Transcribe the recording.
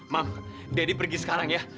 mam daddy pergi sekarang ya